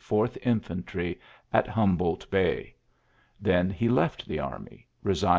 Fourth Infentry, at Humbol Bay. Then he left the army, resign!